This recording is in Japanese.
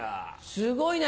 すごいね。